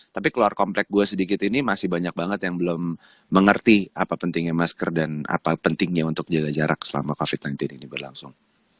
tapi keluar komplek gue sedikit ini masih banyak banget yang belum mengerti apa pentingnya masker dan apa pentingnya untuk jaga jarak selama covid sembilan belas ini berlangsung